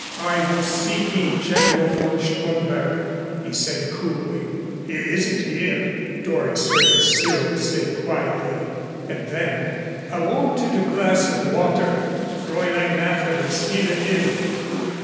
"I was seeking General von Stromberg," he said coolly. "He isn't here," Doris heard Cyril say quietly. And then, "I wanted a glass of water. Fräulein Mather is feeling ill."